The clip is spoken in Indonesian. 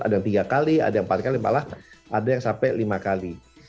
ada yang tiga kali ada yang empat kali malah ada yang sampai lima kali